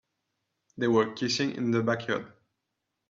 They were kissing in the backyard.